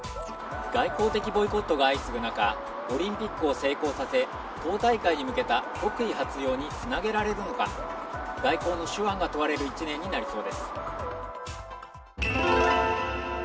外交的ボイコットが相次ぐ中、オリンピックを成功させ、党大会に向けた国威発揚につなげられるのか、外交の手腕が問われる一年になりそうです。